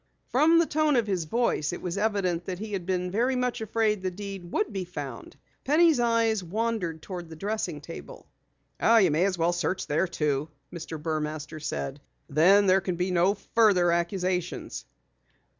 From the tone of his voice it was evident that he had been very much afraid the deed would be found. Penny's eyes wandered toward the dressing table. "You may as well search there too," Mr. Burmaster said. "Then there can be no further accusations."